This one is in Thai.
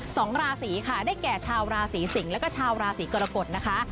สองราศีค่ะได้แก่ชาวราศีสิงศ์แล้วก็ชาวราศีกรกฎนะคะ